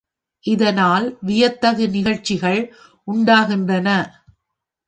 இதனால் வியத்தகு நிகழ்ச்சிகள் உண்டாகின்றன.